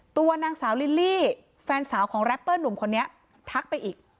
ตัวนางสาวลิลลี่แฟนสาวของแรปเปอร์หนุ่มคนนี้ทักไปอีก